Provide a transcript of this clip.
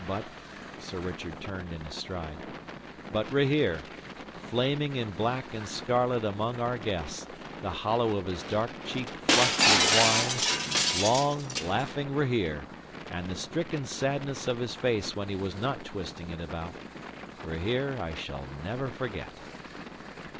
But' Sir Richard turned in his stride 'but Rahere, flaming in black and scarlet among our guests, the hollow of his dark cheek flushed with wine long, laughing Rahere, and the stricken sadness of his face when he was not twisting it about Rahere I shall never forget.